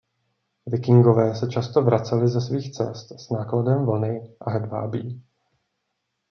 Vikingové se často vraceli ze svých cest s nákladem vlny a hedvábí.